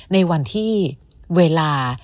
ในวันที่เวลา